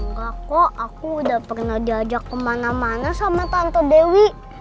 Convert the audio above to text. enggak kok aku udah pernah jajak kemana mana sama tante dewi